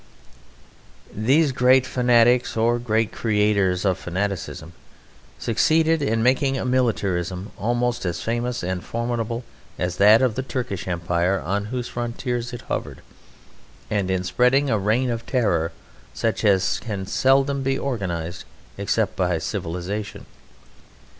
These great fanatics, or great creators of fanaticism, succeeded in making a militarism almost as famous and formidable as that of the Turkish Empire on whose frontiers it hovered, and in spreading a reign of terror such as can seldom be organised except by civilisation.